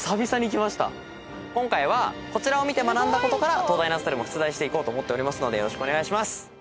今回はこちらを見て学んだことから東大ナゾトレも出題していこうと思っておりますのでよろしくお願いします。